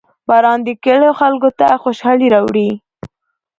• باران د کلیو خلکو ته خوشحالي راوړي.